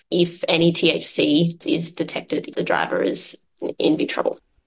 jika thc ada di dalam penerima akan terlalu berbahaya